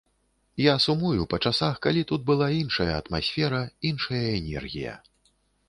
Я сумую па часах, калі была тут іншая атмасфера, іншая энергія.